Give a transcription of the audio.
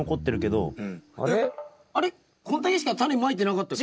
こんだけしかタネまいてなかったっけ？